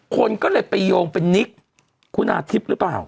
คนก็เลยไปโยงเป็นนิกคุณอาทิตย์หรือเปล่า